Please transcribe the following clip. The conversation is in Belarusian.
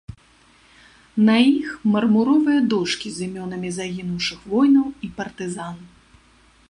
На іх мармуровыя дошкі з імёнамі загінуўшых воінаў і партызан.